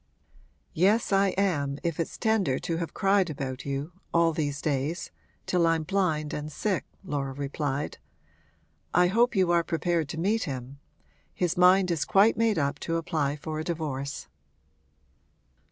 'Yes, I am, if it's tender to have cried about you all these days till I'm blind and sick!' Laura replied. 'I hope you are prepared to meet him. His mind is quite made up to apply for a divorce.'